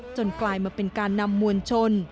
กลายมาเป็นการนำมวลชน